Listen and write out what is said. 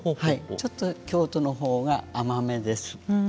ちょっと京都のほうが甘めです。